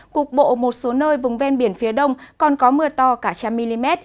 cục bộ một số nơi vùng ven biển phía đông còn có mưa to cả trăm mm